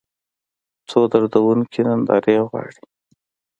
څو دردونکې نندارې غواړي